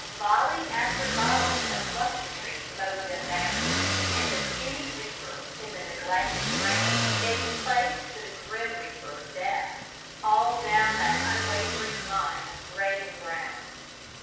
Volley after volley of musketry mowed them down, and the puny reaper in the neglected grain gave place to the grim reaper Death, all down that unwavering line of gray and brown.